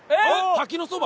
滝のそば？